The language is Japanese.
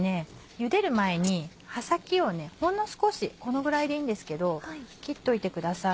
茹でる前に葉先をほんの少しこのぐらいでいいんですけど切っておいてください。